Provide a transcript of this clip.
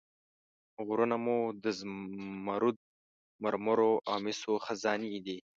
غرونه مو د زمرد، مرمر او مسو خزانې دي.